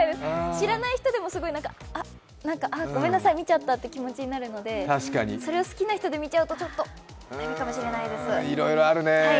知らない人でもすごいあっ、ごめんなさい見ちゃったって気持ちになるので、それを好きな人で見ちゃうとちょっと無理かもしれないです。